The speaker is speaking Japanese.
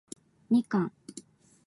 みかん